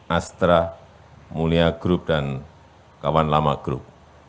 astra mulya group dan kawan lama group